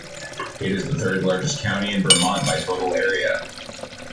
It is the third-largest county in Vermont by total area.